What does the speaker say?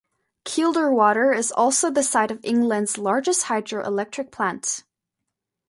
Kielder Water is also the site of England's largest hydro electric plant.